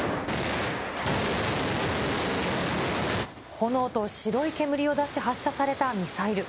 炎と白い煙を出し発射されたミサイル。